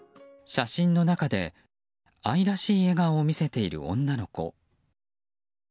写真の中で愛らしい笑顔を見せている女の子。